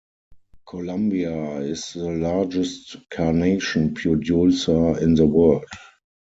Colombia is the largest carnation producer in the world.